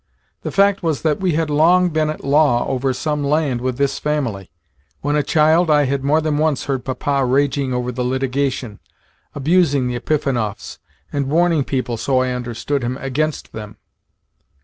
The fact was that we had long been at law over some land with this family. When a child, I had more than once heard Papa raging over the litigation, abusing the Epifanovs, and warning people (so I understood him) against them.